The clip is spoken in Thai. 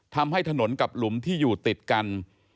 ทำให้ถนนกับหลุมที่อยู่ติดกัน